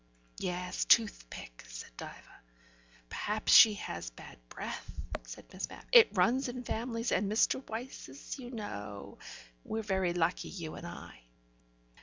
"Yes. Toothpick," said Diva. "Perhaps she has bad teeth," said Miss Mapp; "it runs in families, and Mr. Wyse's, you know We're lucky, you and I."